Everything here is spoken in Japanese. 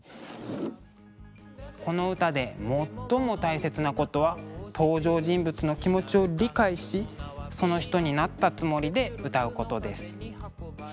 この歌で最も大切なことは登場人物の気持ちを理解しその人になったつもりで歌うことです。